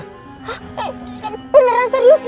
hah beneran serius